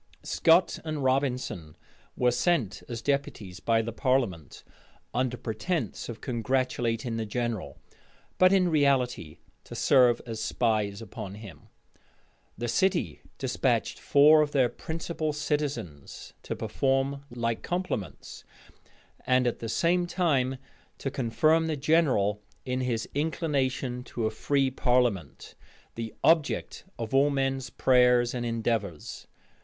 Scot and Robinson were sent as deputies by the parliament, under pretence of congratulating the general, but in reality to serve as spies upon him. The city despatched four of their principal citizens to perform like compliments; and at the same time to confirm the general in his inclination to a free parliament, the object of all men's prayers and endeavors.